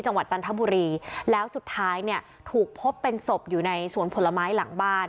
จันทบุรีแล้วสุดท้ายเนี่ยถูกพบเป็นศพอยู่ในสวนผลไม้หลังบ้าน